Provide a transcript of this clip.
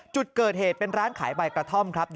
จุดเกิดเหตุเป็นร้านขายใบกระท่อมครับ